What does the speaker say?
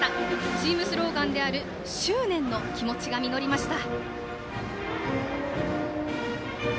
チームスローガンである「執念」の気持ちが実りました。